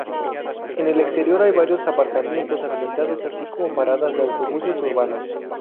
En el exterior hay varios aparcamientos habilitados así como paradas de autobuses urbanos.